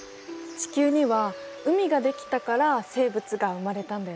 地球には海が出来たから生物が生まれたんだよね。